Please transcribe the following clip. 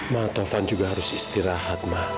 ma taufan juga harus istirahat ma